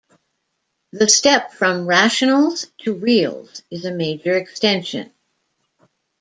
The step from rationals to reals is a major extension.